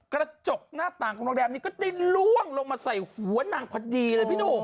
กระจกหน้าต่างของโรงแรมนี้ก็ได้ล่วงลงมาใส่หัวนางพอดีเลยพี่หนุ่ม